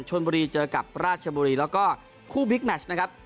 ชนบุรีเจอกับราชบุรีแล้วก็คู่บิ๊กแมชนะครับ